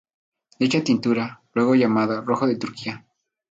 Dicha tintura, luego llamada "rojo de Turquía".